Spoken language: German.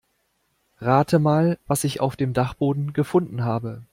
Rate mal, was ich auf dem Dachboden gefunden habe.